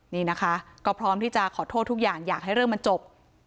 นี่นะคะก็พร้อมที่จะขอโทษทุกอย่างอยากให้เรื่องมันจบ